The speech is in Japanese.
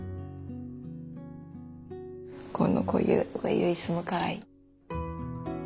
このこういう椅子もかわいい。